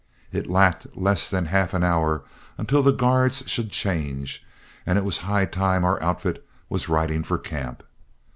It lacked less than half an hour until the guards should change, and it was high time our outfit was riding for camp.